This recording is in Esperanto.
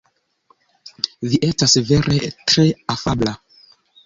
Vi estas vere tre afabla.